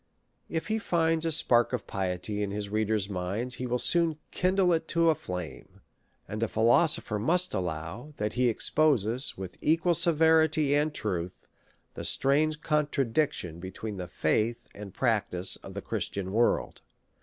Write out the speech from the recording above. If he finds a spark of piety in his reader's mind, he will soon kindle it to a flame ; and a philosopher must allow, that he exposes, with equal severity and truth, the strange contradic tion between the faith and practice of the Christian world.